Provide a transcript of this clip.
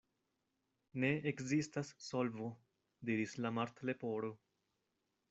"Ne ekzistas solvo," diris la Martleporo.